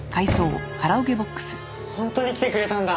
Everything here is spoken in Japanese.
本当に来てくれたんだ。